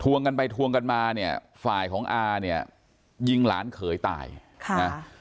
กันไปทวงกันมาเนี่ยฝ่ายของอาเนี่ยยิงหลานเขยตายค่ะนะ